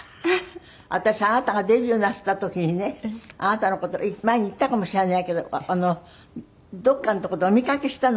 私あなたがデビューなすった時にねあなたの事前に言ったかもしれないけどどこかのとこでお見かけしたのよ